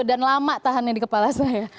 lama tahannya di kepala saya